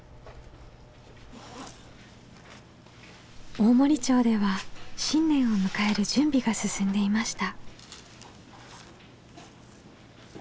大森町では新年を迎える準備が進んでいました。